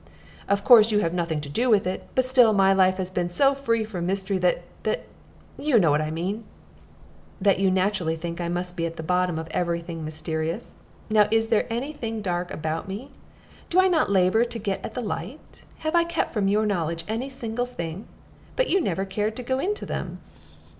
Of course you have nothing to do with it; but still my life has been so free from mystery that, that you know what I mean " "That you naturally think I must be at the bottom of every thing mysterious. Now is there any thing dark about me? Do I not labor to get at the light? Have I kept from your knowledge any single thing? But you never cared to go into them."